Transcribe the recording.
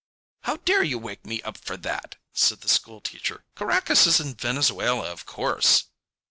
"How dare you wake me up for that?" said the school teacher. "Caracas is in Venezuela, of course."